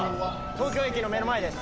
東京駅の目の前です。